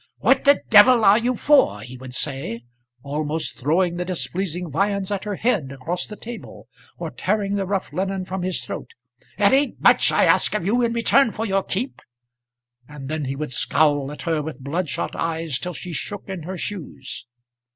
"What the d are you for?" he would say, almost throwing the displeasing viands at her head across the table, or tearing the rough linen from off his throat. "It ain't much I ask of you in return for your keep;" and then he would scowl at her with bloodshot eyes till she shook in her shoes.